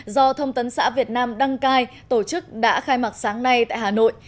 do thông tấn xã việt nam đăng cai tổ chức đã khai mạc sáng nay tại hà nội